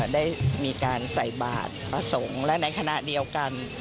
ได้มีการใส่บาทพระสงฆ์และในคณะเดียวกัน